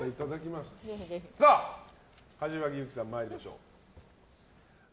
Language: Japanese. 柏木由紀さん、参りましょう。